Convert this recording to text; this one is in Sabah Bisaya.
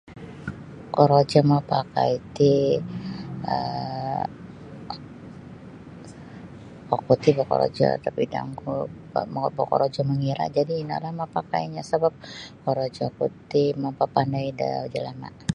Korojo mapakai ti um oku ti bokorojo [unintelligible] bokorojo mangira jadi ino nio [unintelligible] sabab korojo ku ti mapapandai da jalama.